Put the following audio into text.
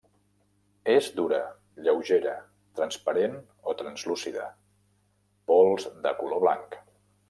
És dura, lleugera, transparent o translúcida; pols de color blanc.